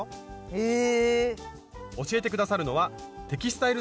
へえ。